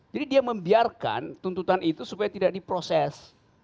jadi dia membiarkan tuntutan itu supaya tidak diproses